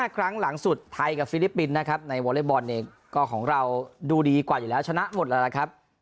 ครั้งหลังสุดไทยกับฟิลิปปินส์นะครับในวอเล็กบอลเนี่ยก็ของเราดูดีกว่าอยู่แล้วชนะหมดแล้วนะครับ